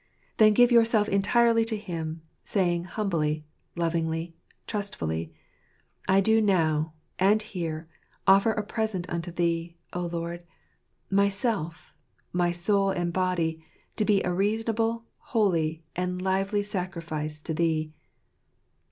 Then give yourself entirely to Him, saying, humbly, lovingly, trustfully, "I do now, and here, offer a present unto Thee, O Lord, myself, my soul and body, to be a reasonable, holy, and lively sacrifice to Thee."